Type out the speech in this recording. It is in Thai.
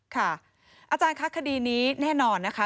อาจารย์คะคดีนี้แน่นอนนะคะ